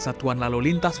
satuan lalu lintas